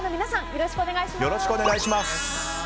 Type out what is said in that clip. よろしくお願いします。